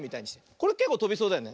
これけっこうとびそうだよね。